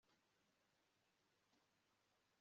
umugati ni umubiri wawe, divayi